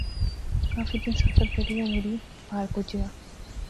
کافی دن سفر کری او مڑی پار پجیا